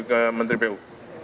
ini ke menteri pu